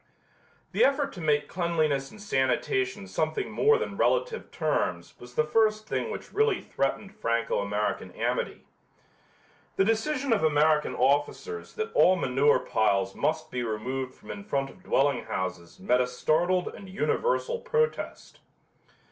The effort to make cleanliness and sanitation something more than relative terms was the first thing which really threatened Franco American amity. The decision of American officers that all manure piles must be removed from in front of dwelling houses met a startled and universal protest.